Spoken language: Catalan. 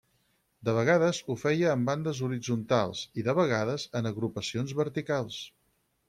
De vegades ho feia en bandes horitzontals i de vegades en agrupacions verticals.